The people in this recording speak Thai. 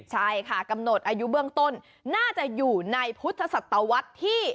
ใช่ค่ะกำหนดอายุเบื้องต้นน่าจะอยู่ในพุทธศตวรรษที่